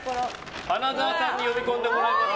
花澤さんに読み込んでもらいます。